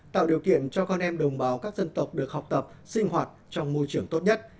tạo điều kiện cho con em đồng bào các dân tộc được học tập sinh hoạt trong môi trường tốt nhất